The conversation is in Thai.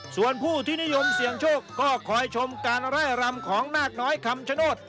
ส่วนผู้ที่นิยมเสี่ยงโชคก็คอยชมการไล่รำของนาคน้อยคำชโนธ